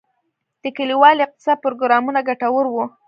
د کلیوالي اقتصاد پروګرامونه ګټور وو؟